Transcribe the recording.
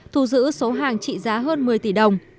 thu giữ số hàng trị giá hơn một mươi tỷ đồng